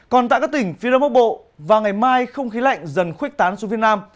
còn tại các tỉnh phía đông bắc bộ vào ngày mai không khí lạnh dần khuếch tán xuống phía nam